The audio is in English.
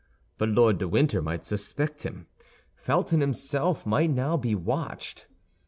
But Lord de Winter might suspect him; Felton himself might now be watched!